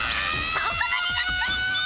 そこまでだクリッキー！